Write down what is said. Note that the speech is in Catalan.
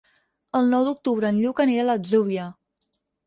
El nou d'octubre en Lluc anirà a l'Atzúbia.